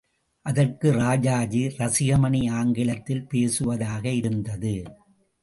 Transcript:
அதற்கு ராஜாஜி ரசிகமணி ஆங்கிலத்தில் பேசுவதாக இருந்தது.